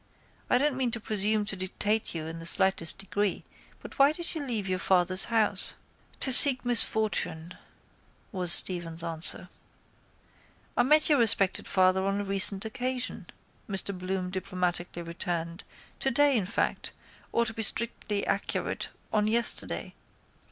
I don't mean to presume to dictate to you in the slightest degree but why did you leave your father's house? —To seek misfortune, was Stephen's answer. —I met your respected father on a recent occasion, Mr Bloom diplomatically returned, today in fact, or to be strictly accurate, on yesterday.